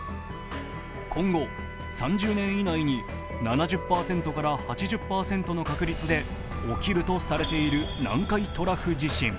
今後、３０年以内に７０％から８０％の確率で起きるとされている南海トラフ地震。